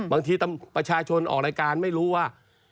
บางทีประชาชนออกรายการไม่รู้ว่า